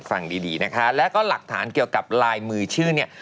ฟังดีดีนะคะแล้วก็หลักฐานเกี่ยวกับลายมือชื่อเนี่ย